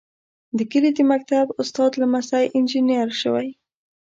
د کلي د مکتب استاد لمسی انجنیر شوی.